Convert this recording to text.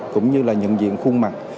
cũng như là nhận diện khuôn mặt